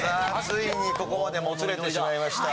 ついにここまでもつれてしまいました。